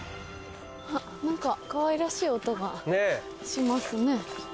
何かかわいらしい音がしますね。